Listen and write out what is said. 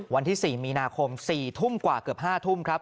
วันที่สี่มีนาคมสี่ทุ่มกว่าเกือบห้าทุ่มครับ